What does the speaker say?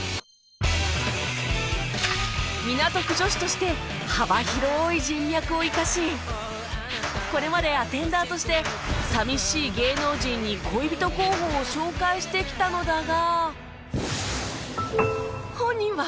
港区女子として幅広い人脈を生かしこれまでアテンダーとして寂しい芸能人に恋人候補を紹介してきたのだが